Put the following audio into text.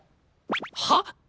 はっ？